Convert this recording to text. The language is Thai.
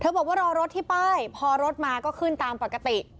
บอกว่ารอรถที่ป้ายพอรถมาก็ขึ้นตามปกติ